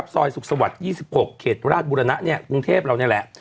ซอยสุขสวรรค์๒๖เขตราชบุรณะกรุงเทพเรานี่แหละ